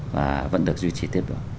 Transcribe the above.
và vẫn được duy trì tiếp được